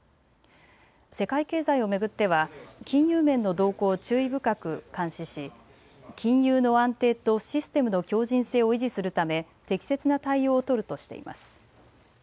世界経済を巡っては金融面の動向を注意深く監視し金融の安定とシステムの強じん性を維持するため適切な対応を取るとしています。